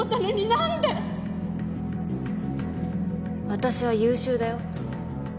私は優秀だよ。